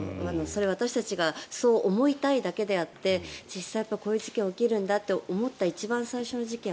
それは私たちがそう思いたいだけであって実際、こういう事件が起きるんだと思った一番最初の事件